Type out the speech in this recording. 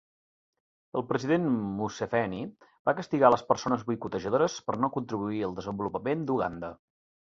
El president Museveni va castigar les persones boicotejadores per "no contribuir al desenvolupament d'Uganda".